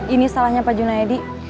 ini salahnya pak junaedi